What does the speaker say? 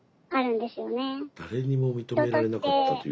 誰にも認められなかったというと？